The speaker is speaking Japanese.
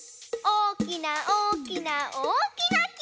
おおきなおおきなおおきなき！